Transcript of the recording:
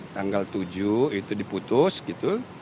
tanggal tujuh itu diputus gitu